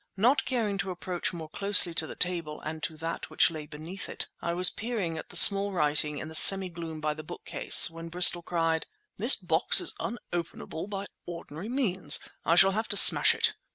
Not caring to approach more closely to the table and to that which lay beneath it, I was peering at the small writing, in the semi gloom by the bookcase, when Bristol cried— "This box is unopenable by ordinary means! I shall have to smash it!"